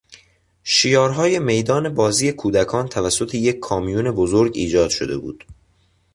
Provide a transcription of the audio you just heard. شیارهای میدان بازی کودکان توسط یک کامیون بزرگ ایجاد شده بود.